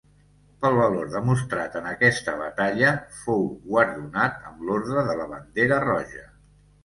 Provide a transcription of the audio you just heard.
Pel valor demostrat en aquesta batalla fou guardonat amb l'Orde de la Bandera Roja.